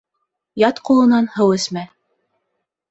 Ят ҡулынан һыу эсмә.